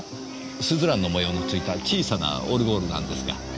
スズランの模様の付いた小さなオルゴールなんですが。